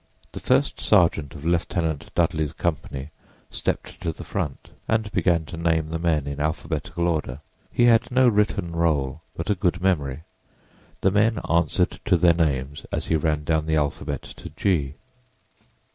The first sergeant of Lieutenant Dudley's company stepped to the front and began to name the men in alphabetical order. He had no written roll, but a good memory. The men answered to their names as he ran down the alphabet to G.